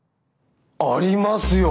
ありますよ。